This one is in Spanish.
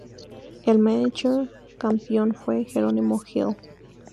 El mánager campeón fue Gerónimo Gil.